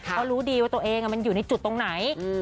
เขารู้ดีว่าตัวเองมันอยู่ในจุดตรงไหน